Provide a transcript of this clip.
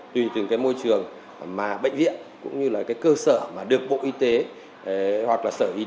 tùy từng cái môi trường mà bệnh viện cũng như là cái cơ sở mà được bộ y tế hoặc là sở y tế